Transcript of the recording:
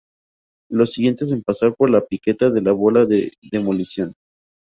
los siguientes en pasar por la piqueta de la bola de demolición